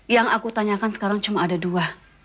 yang aku tanyakan sekarang cuma ada dua